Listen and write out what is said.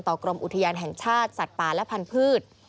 กรมอุทยานแห่งชาติสัตว์ป่าและพันธุ์